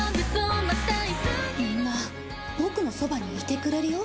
みんなボクのそばにいてくれるよ。